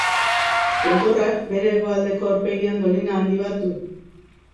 Tontorrak, bere hegoaldeko aurpegian dolina handi bat du.